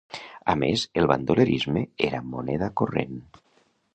A més, el bandolerisme era moneda corrent.